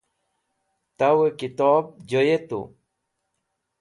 Tawe Kitob Joyetu